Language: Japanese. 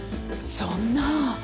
そんな。